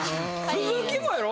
鈴木もやろ？